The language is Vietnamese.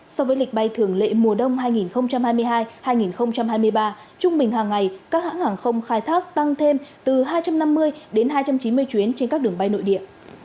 so với lịch bay thường lệ mùa đông hai nghìn hai mươi hai hai nghìn hai mươi ba trung bình hàng ngày các hãng hàng không khai thác tăng thêm từ hai trăm năm mươi đến hai trăm chín mươi chuyến trên các đường bay nội địa